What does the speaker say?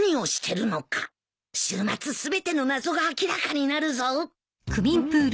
週末全ての謎が明らかになるぞ。